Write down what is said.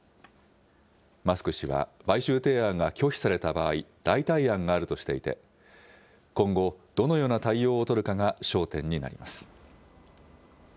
マスク氏は買収提案が拒否された場合、代替案があるとしていて今後、どのような対応を取るかが焦点になります。